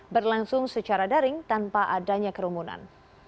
berlangsung secara daring tanpa adanya kerumunan